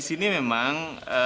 kalau di sini memang